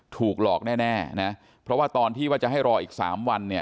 ถูกหลอกแน่นะเพราะว่าตอนที่ว่าจะให้รออีก๓วันเนี่ย